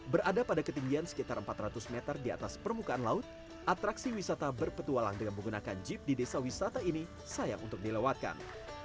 berada pada ketinggian sekitar empat ratus meter di atas permukaan laut atraksi wisata berpetualang dengan menggunakan jeep di desa wisata ini sayang untuk dilewatkan